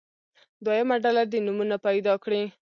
دویمه ډله دې نومونه پیدا کړي.